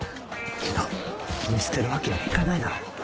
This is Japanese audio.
けど見捨てるわけにはいかないだろ。